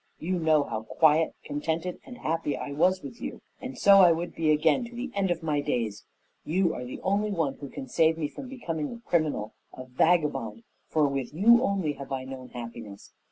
You know how quiet, contented, and happy I was with you, and so I would be again to the end of my days. You are the only one who can save me from becoming a criminal, a vagabond, for with you only have I known happiness.